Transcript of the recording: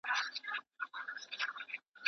¬ چي هوس و، نو دي بس و.